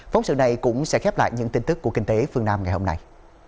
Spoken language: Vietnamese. phóng sự này cũng sẽ khép lại những tin tức của kinh tế phương nam ngày hôm nay